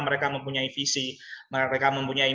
mereka mempunyai visi mereka mempunyai